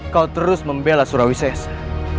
kau terus membela surawi sesa